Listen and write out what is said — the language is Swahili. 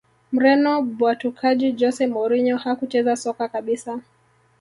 Mreno mbwatukaji Jose Mourinho hakucheza soka kabisa